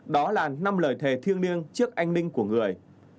đó là năm lời thề thiêng niêng trước anh ninh của người